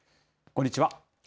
こんにちは。